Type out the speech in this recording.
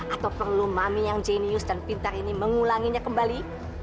atau perlu mami yang jenius dan pintar ini mengulanginya kembali